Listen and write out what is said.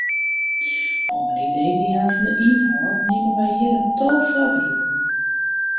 Om in idee te jaan fan de ynhâld neame wy hjir in tal foarbylden.